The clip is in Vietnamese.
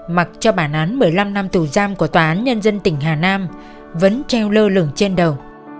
mặc cho bản án một mươi năm năm tù giam của tòa án nhân dân tỉnh hà nam vẫn treo lơ lửng trên đầu